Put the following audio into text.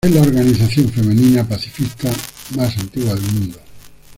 Es la organización femenina pacifista más antigua del mundo.